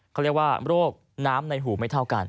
เขาเรียกว่าโรคน้ำในหูไม่เท่ากัน